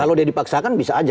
kalau dia dipaksakan bisa aja